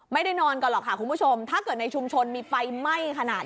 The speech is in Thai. ไม่ได้นอนกันหรอกค่ะคุณผู้ชมถ้าเกิดในชุมชนมีไฟไหม้ขนาด